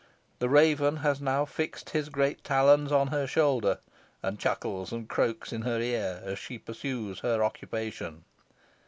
The raven has now fixed his great talons on her shoulder, and chuckles and croaks in her ear as she pursues her occupation.